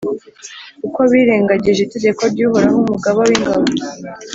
kuko birengagije itegeko ry’Uhoraho, Umugaba w’ingabo,